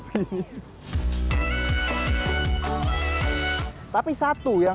tapi satu yang harus diubahkan adalah jembatan budaya ini